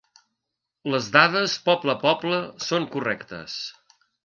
Les dades poble a poble són correctes.